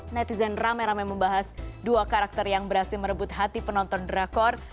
netizen ramai ramai membahas dua karakter yang berhasil merebut hati penonton drakor